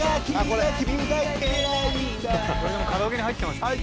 これでもカラオケに入ってましたね。